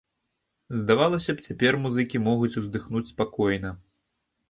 Здавалася б, цяпер музыкі могуць уздыхнуць спакойна.